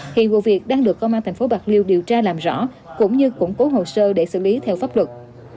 hiện vụ việc đang được công an thành phố bạc liêu điều tra làm rõ cũng như củng cố hồ sơ để xử lý theo pháp luật